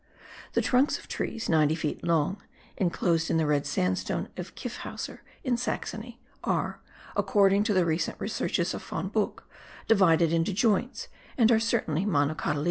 The trunks of trees, ninety feet long, inclosed in the red sandstone of Kifhauser (in Saxony), are, according to the recent researches of Von Buch, divided into joints, and are certainly monocotyledonous.)